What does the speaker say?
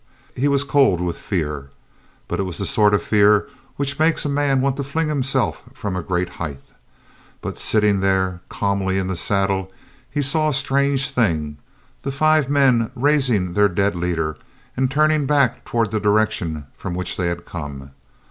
He was cold with fear. But it was the sort of fear which makes a man want to fling himself from a great height. But, sitting there calmly in the saddle, he saw a strange thing the five men raising their dead leader and turning back toward the direction from which they had come.